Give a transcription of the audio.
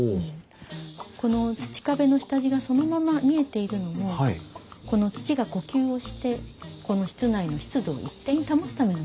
この土壁の下地がそのまま見えているのも土が呼吸をしてこの室内の湿度を一定に保つためのものなんです。